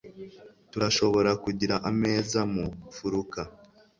Turashobora kugira ameza mu mfuruka?